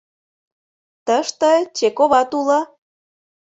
Тыште Чековат уло.